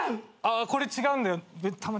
これ違うんだよ。